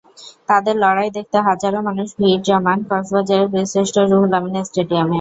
তাঁদের লড়াই দেখতে হাজারো মানুষ ভিড় জমান কক্সবাজারের বীরশ্রেষ্ঠ রুহুল আমিন স্টেডিয়ামে।